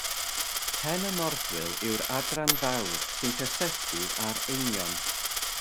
Pen y morthwyl yw'r adran fawr sy'n cysylltu â'r eingion.